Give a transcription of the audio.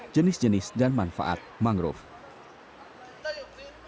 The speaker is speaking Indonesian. jenis jenis dan manfaat mangrove